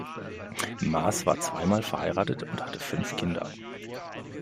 Maaß war zweimal verheiratet und hatte fünf Kinder.